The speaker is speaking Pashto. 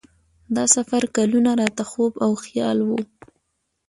دا سفر کلونه راته خوب او خیال و.